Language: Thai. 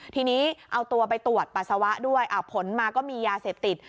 ทีนี้เอาตัวไปตรวจปัสสาวะด้วยผลมาก็มียาเสพติด